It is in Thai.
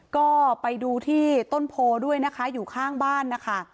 ก็ไปดูที่ต้นโพด้วยนะคะอยู่ข้างบ้านนะคะ